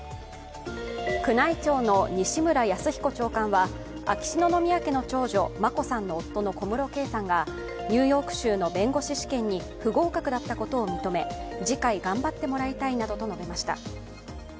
宮内庁の西村泰彦長官は秋篠宮家の長女の眞子さんの夫の小室圭さんがニューヨーク州の弁護士試験に不合格だったことを認め次回頑張ってもらいたいなどと述べました。